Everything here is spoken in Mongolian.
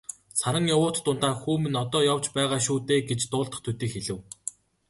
Саран явуут дундаа "Хүү минь одоо явж байгаа шүү дээ" гэж дуулдах төдий хэлэв.